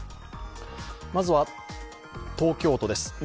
まずは、東京都です。